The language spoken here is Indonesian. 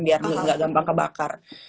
biar gak gampang kebakar